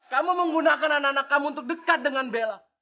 kamu menggunakan anak anak kamu untuk dekat dengan bella